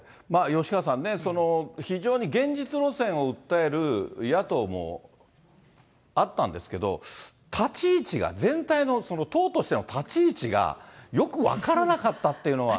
吉川さんね、非常に現実路線を訴える野党もあったんですけど、立ち位置が、全体の党としての立ち位置がよく分からなかったっていうのは。